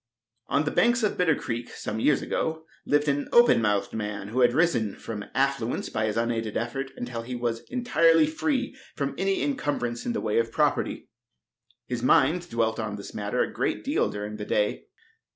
On the banks of Bitter Creek, some years ago, lived an open mouthed man, who had risen from affluence by his unaided effort until he was entirely free from any incumbrance in the way of property. His mind dwelt on this matter a great deal during the day.